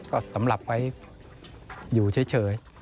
ก็สำหรับไว้อยู่เฉย